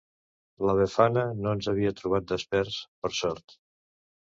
La Befana no ens havia trobat desperts, per sort!